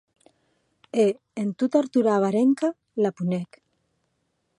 E, en tot arturar a Varenhka, la punèc.